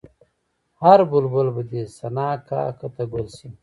هر بلبل به دې ثنا کا که ته ګل شې.